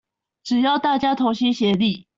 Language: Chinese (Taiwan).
只要大家同心協力